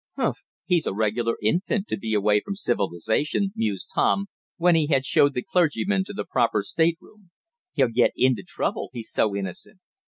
"Humph, he's a regular infant, to be away from civilization," mused Tom, when he had showed the clergyman to the proper stateroom. "He'll get into trouble, he's so innocent."